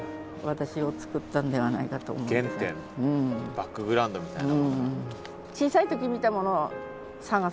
バックグラウンドみたいな。